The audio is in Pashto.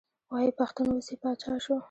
وایي پښتون اوس یې پاچا شو.